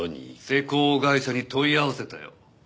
施工会社に問い合わせたよ。